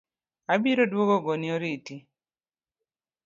Abiro duogo goni oriti